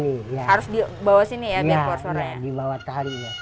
iya dibawah tali ya